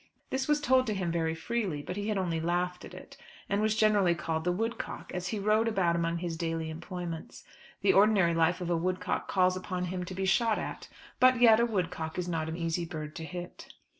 This was told to him very freely; but he had only laughed at it, and was generally called "the woodcock," as he rode about among his daily employments. The ordinary life of a woodcock calls upon him to be shot at; but yet a woodcock is not an easy bird to hit.